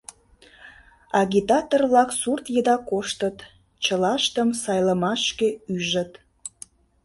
Агитатор-влак сурт еда коштыт, чылаштым сайлымашке ӱжыт.